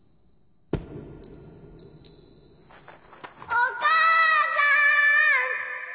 お母さん。